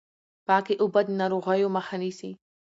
پاکې اوبه د ناروغیو مخه نیسي۔